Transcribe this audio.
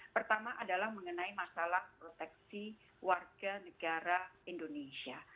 pertama adalah mengenai masalah proteksi warga negara indonesia